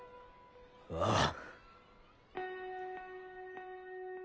ああ。